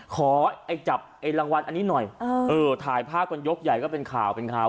ขอจับไอ้รางวัลอันนี้หน่อยเออถ่ายภาพกันยกใหญ่ก็เป็นข่าวเป็นข่าว